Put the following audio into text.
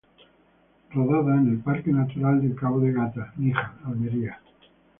Rodada en el Parque Natural de Cabo de Gata, Níjar, Almería.